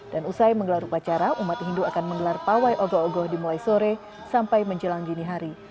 dan usai menggelar upacara umat hindu akan menggelar pawai ogoh ogoh dimulai sore sampai menjelang dini hari